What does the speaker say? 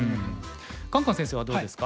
カンカン先生はどうですか？